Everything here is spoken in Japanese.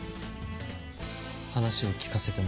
話を聞かせてもらおうか。